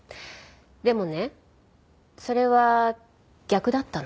でもねそれは逆だったの。